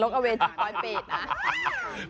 กระโลกเอาเวทจากก้อยเป็ดนะ